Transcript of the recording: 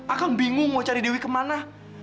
aku bingung mau cari dewi kemana